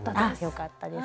よかったです。